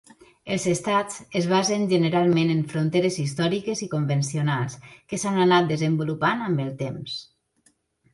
Els estats es basen generalment en fronteres històriques i convencionals que s'han anat desenvolupant amb el temps.